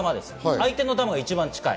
相手の球が一番近い。